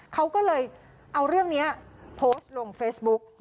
เขาก็เลยเอาเรื่องนี้โพสต์ลงเฟซบุ๊ก